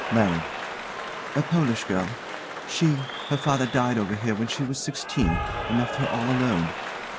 LARRY. A Polish girl. She her father died over here when she was sixteen, and left her all alone.